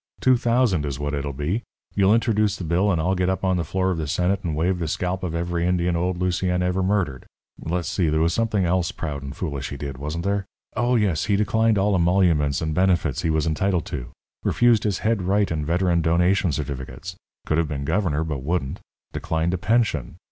Two thousand is what it'll be. You'll introduce the bill and I'll get up on the floor of the Senate and wave the scalp of every Indian old Lucien ever murdered. Let's see, there was something else proud and foolish he did, wasn't there? Oh, yes; he declined all emoluments and benefits he was entitled to. Refused his head right and veteran donation certificates. Could have been governor, but wouldn't. Declined a pension.